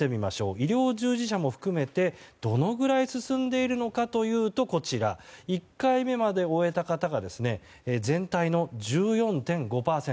医療従事者も含めてどのくらい進んでいるのかというと１回目まで終えた方が全体の１４．５％。